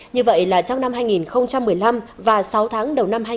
như vậy là trong năm hai nghìn một mươi năm và sáu tháng đầu năm hai nghìn hai mươi